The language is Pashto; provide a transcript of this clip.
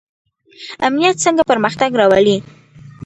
امنیت څنګه پرمختګ راوړي؟